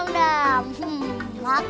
waaaah enak banget